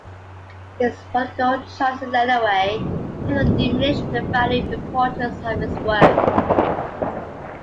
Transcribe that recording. His political choices, anyway, have not diminished the value and importance of his work.